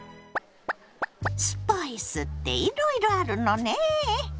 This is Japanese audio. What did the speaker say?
スパイスっていろいろあるのねえ。